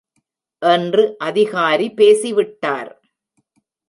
என்று அதிகாரி பேசிவிட்டார்.